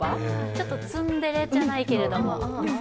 ちょっとツンデレじゃないけども。